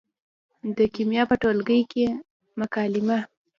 د کیمیا په ټولګي کې مکالمه